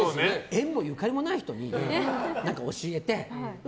縁もゆかりもない人に教えて。